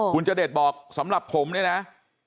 คุณจเดชบอกสำหรับผมเนี่ยนะ